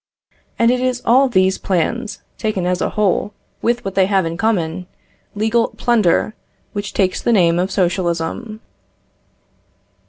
And it is all these plans, taken as a whole, with what they have in common, legal, plunder, which takes the name of socialism.